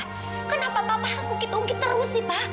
kenapa papa kukitungkit terus sih pak